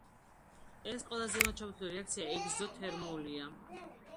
ეს ყველა ზემოთ ჩამოთვლილი რეაქცია ეგზოთერმულია.